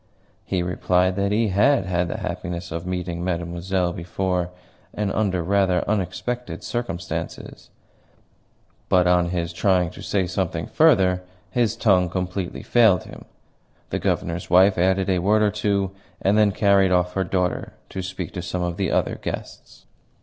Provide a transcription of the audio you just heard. He replied that he HAD had the happiness of meeting Mademoiselle before, and under rather unexpected circumstances; but on his trying to say something further his tongue completely failed him. The Governor's wife added a word or two, and then carried off her daughter to speak to some of the other guests.